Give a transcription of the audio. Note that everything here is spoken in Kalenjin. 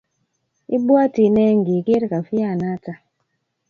Ibwati nee ngigeer kofianata